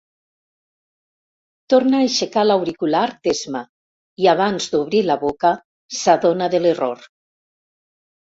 Torna a aixecar l'auricular d'esma i abans d'obrir la boca s'adona de l'error.